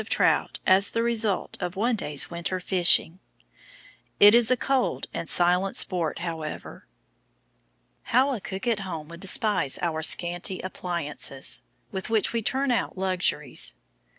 of trout as the result of one day's winter fishing. It is a cold and silent sport, however. How a cook at home would despise our scanty appliances, with which we turn out luxuries.